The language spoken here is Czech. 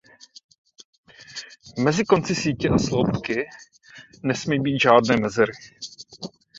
Mezi konci sítě a sloupky nesmí být žádné mezery.